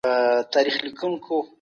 لښکرې اباسین غاړي ته ولېږل سوې